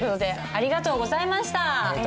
ありがとうございます。